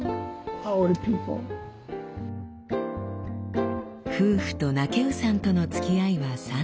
夫婦とナケウさんとのつきあいは３０年。